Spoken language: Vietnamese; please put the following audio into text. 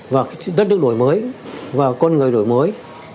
và đất nước đổi mới và con người đổi mới